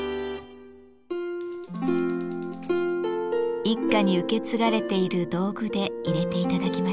一家に受け継がれている道具でいれて頂きましょう。